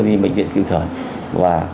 đi bệnh viện cứu thở và